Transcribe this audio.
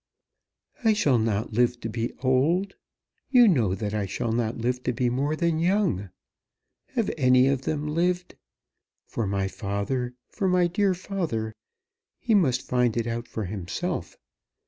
"I shall not live to be old. You know that I shall not live to be more than young. Have any of them lived? For my father, for my dear father, he must find it out for himself.